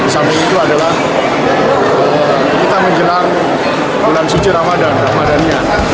satu itu adalah kita menjelang bulan suci ramadan ramadannya